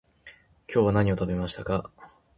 今日は何を食べましたか？